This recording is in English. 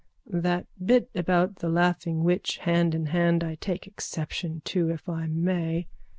_ That bit about the laughing witch hand in hand I take exception to, if I may...